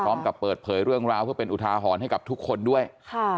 พร้อมกับเปิดเผยเรื่องราวเพื่อเป็นอุทาหรณ์ให้กับทุกคนด้วยค่ะ